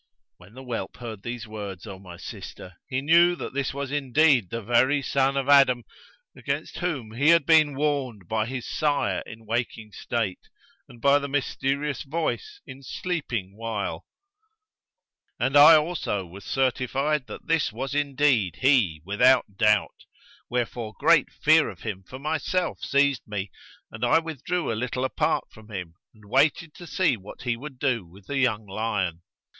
' When the whelp heard these words, O my sister, he knew that this was indeed the very son of Adam, against whom he had been warned by his sire in waking state and by the mysterious Voice in sleeping while; and I also was certified that this was indeed he without doubt; wherefore great fear of him for myself seized me and I withdrew a little apart from him and waited to see what he would do with the young lion.